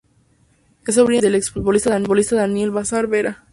Es sobrino del ex-futbolista Daniel Bazán Vera.